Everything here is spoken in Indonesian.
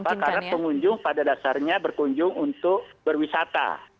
karena apa karena pengunjung pada dasarnya berkunjung untuk berwisata